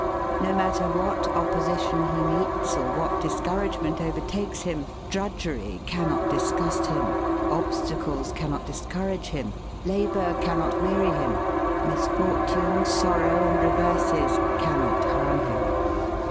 No matter what opposition he meets or what discouragement overtakes him, drudgery cannot disgust him, obstacles cannot discourage him, labor cannot weary him; misfortune, sorrow, and reverses cannot harm him.